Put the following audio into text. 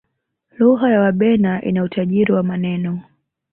lugha ya wabena ina utajiri wa maneno